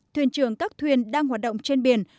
thuyền trường các thuyền đang hoạt động trên biển